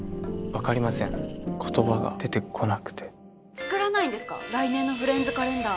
作らないんですか来年のフレンズカレンダー。